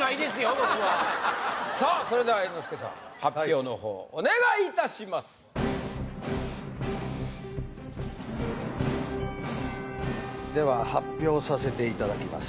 僕はさあそれでは猿之助さん発表のほうお願いいたしますでは発表させていただきます